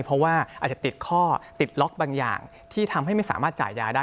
เพราะว่าอาจจะติดข้อติดล็อกบางอย่างที่ทำให้ไม่สามารถจ่ายยาได้